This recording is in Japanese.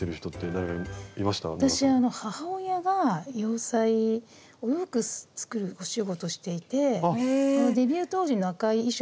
私あの母親が洋裁お洋服作るお仕事していてデビュー当時の赤い衣装